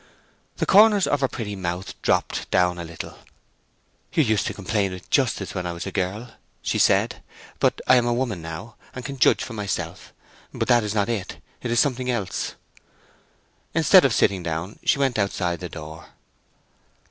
The corners of her pretty mouth dropped a little down. "You used to complain with justice when I was a girl," she said. "But I am a woman now, and can judge for myself....But it is not that; it is something else!" Instead of sitting down she went outside the door.